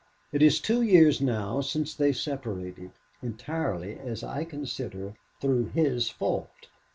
It is two years now since they separated, entirely, as I consider, through his fault.